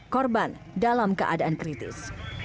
korban dalam keadaan kritis